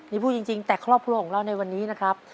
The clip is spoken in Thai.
นี่พูดจริงแต่ครอบครัวของเราในวันนี้นะครับ